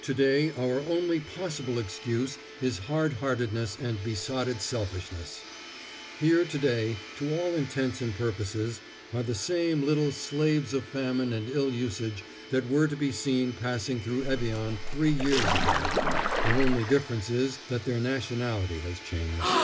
Today our only possible excuse is hard heartedness and besotted selfishness. Here today, to all intents and purposes, are the same little slaves of famine and ill usage that were to be seen passing through Evian three years ago, the only difference is that their nationality has changed.